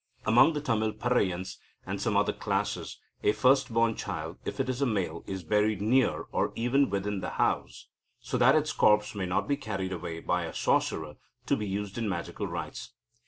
Among the Tamil Paraiyans and some other classes, a first born child, if it is a male, is buried near or even within the house, so that its corpse may not be carried away by a sorcerer, to be used in magical rites.